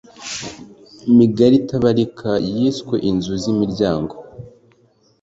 migari itabarika yiswe inzu zimiryango